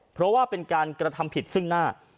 เพราะว่าเป็นการกระทำผิดซึ่งหน้า